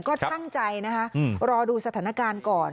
ก็ช่างใจนะคะรอดูสถานการณ์ก่อน